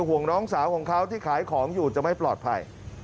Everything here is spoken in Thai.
ห่วงน้องสาวของเขาที่ขายของอยู่จะไม่ปลอดภัย